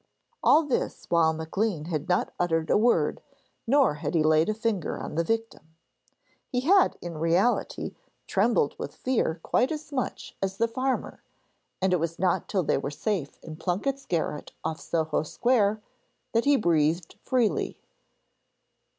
All this while Maclean had not uttered a word, nor had he laid a finger on the victim. He had in reality trembled with fear quite as much as the farmer, and it was not till they were safe in Plunket's garret off Soho Square that he breathed freely.